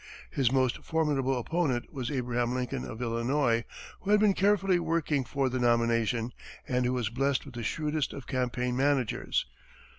His most formidable opponent was Abraham Lincoln, of Illinois, who had been carefully working for the nomination, and who was blessed with the shrewdest of campaign managers.